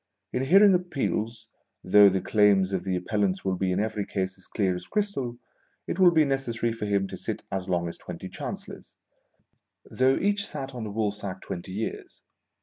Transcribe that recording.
In hearing Appeals, though the claims of the Appellants will be in every case as clear as crystal, it will be necessary for him to sit as long as twenty Chancellors, though each sat on the woolsack twenty years.